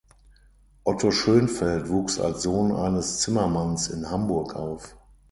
Otto Schönfeldt wuchs als Sohn eines Zimmermanns in Hamburg auf.